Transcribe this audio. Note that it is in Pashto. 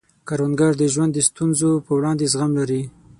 کروندګر د ژوند د ستونزو په وړاندې زغم لري